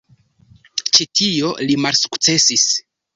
Ĉe tio li malsukcesis.